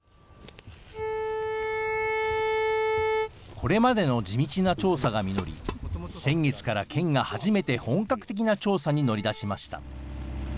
これまでの地道な調査が実り、先月から県が初めて本格的な調査に乗り出しました。